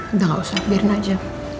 udah gak usah biarin aja